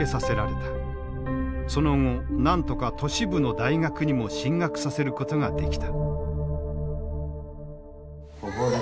その後なんとか都市部の大学にも進学させることができた。